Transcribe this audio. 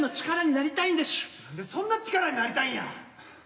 なんでそんな力になりたいんや？